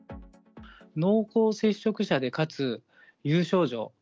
濃厚接触者でかつ有症状。